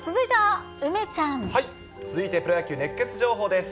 続いて、プロ野球熱ケツ情報です。